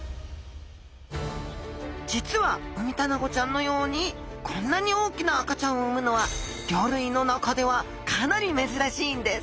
実はウミタナゴちゃんのようにこんなに大きな赤ちゃんを産むのは魚類の中ではかなり珍しいんです。